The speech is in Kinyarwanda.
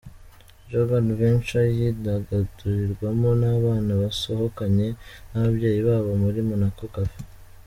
Jungle Adventure yidagadurirwamo n'abana basohokanye n'ababyeyi babo muri Monaco cafe.